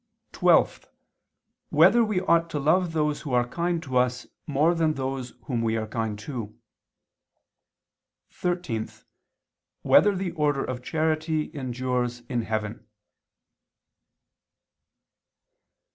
(12) Whether we ought to love those who are kind to us more than those whom we are kind to? (13) Whether the order of charity endures in heaven?